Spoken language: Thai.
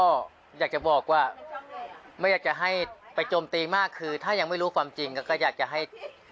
ก็อยากจะบอกว่าไม่อยากจะให้ไปโจมตีมากคือถ้ายังไม่รู้ความจริงก็อยากจะให้